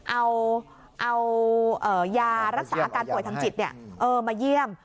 เอายารักษาอาการป่วยทางจิตมาเยี่ยม